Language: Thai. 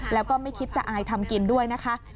แล้วก็ไม่คิดจะอายทำกินด้วยนะคะ